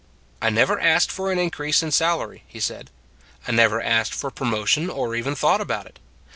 " I never asked for an increase in sal ary," he said; " I never asked for promo tion or even thought about it.